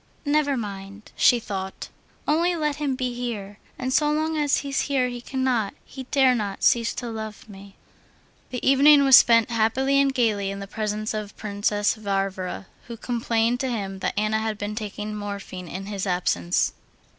"Never mind," she thought, "only let him be here, and so long as he's here he cannot, he dare not, cease to love me." The evening was spent happily and gaily in the presence of Princess Varvara, who complained to him that Anna had been taking morphine in his absence.